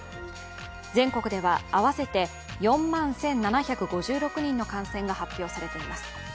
全国では合わせて４万１７５６人の感染が発表されています。